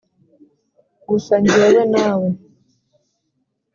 gusa njyewe nawe